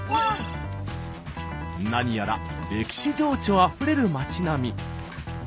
何やら歴史情緒あふれる町並み。